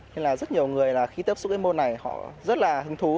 nên là rất nhiều người khi tiếp xúc cái môn này họ rất là hứng thú